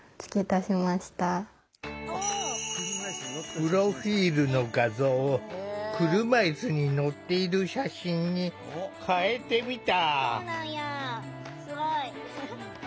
プロフィールの画像を車いすに乗っている写真に変えてみた。